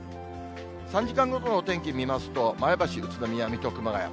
３時間ごとのお天気見ますと、前橋、宇都宮、水戸、熊谷。